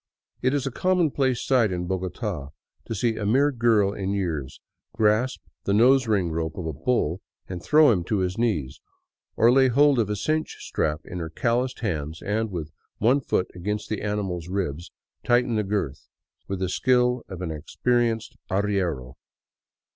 It is a commonplace sight in Bogota to see a mere girl in years grasp the nosering rope of a bull and throw him to his knees, or lay hold of a cinch strap in her calloused hands and, with one foot against the animal's ribs, tighten the girth with the skill of an experienced arriero.